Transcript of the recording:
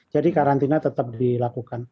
jadi karantina tetap dilakukan